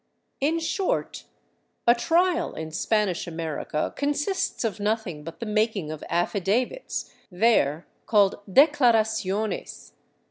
In short, a trial in Spanish America consists of nothing but the making of affidavits, there called declaraciones.